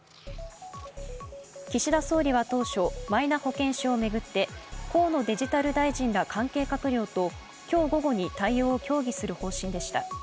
岸田総理は当初、マイナ保険証を巡って河野デジタル大臣ら関係閣僚と今日午後に対応を協議する方針でした。